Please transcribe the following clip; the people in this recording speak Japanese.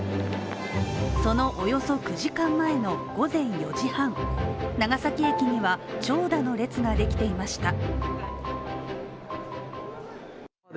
そのおよそ９時間前の午前４時半、長崎駅には、長蛇の列ができていました。